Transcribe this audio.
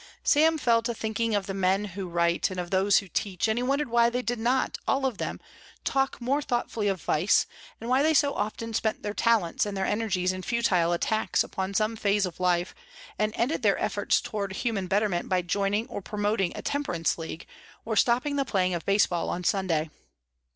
Sam fell to thinking of the men who write, and of those who teach, and he wondered why they did not, all of them, talk more thoughtfully of vice, and why they so often spent their talents and their energies in futile attacks upon some phase of life, and ended their efforts toward human betterment by joining or promoting a temperance league, or stopping the playing of baseball on Sunday.